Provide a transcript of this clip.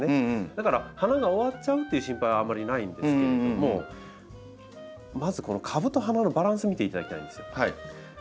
だから花が終わっちゃうっていう心配はあんまりないんですけれどもまずこの株と花のバランス見ていただきたいんですよ。